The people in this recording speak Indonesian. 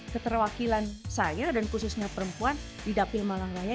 keterwakilan saya dan khususnya perempuan di dapil malang raya